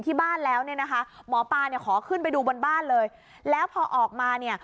พี่พูดชี้ชัดแล้วว่า